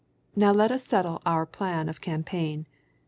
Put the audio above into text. Now let us settle our plan of campaign.